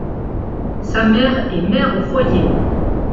Sa mère est mère au foyer.